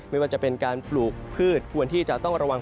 ไม่ว่าจะเป็นการปลูกพืชควรที่จะต้องระวัง